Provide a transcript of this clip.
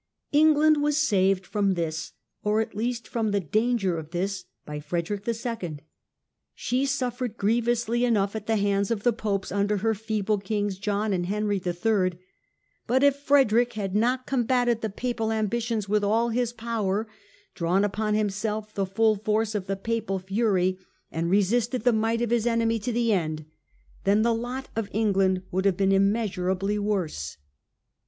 England was saved from this, or at least from the danger of this, by Frederick the Second. She suffered grievously enough at the hands of the Popes under her feeble Kings John and Henry III : but if Frederick had not combated the Papal ambitions with all his power, drawn upon himself the full force of the Papal fury, and resisted the might of his enemy to the end, then the lot of England would have been im measurably worse.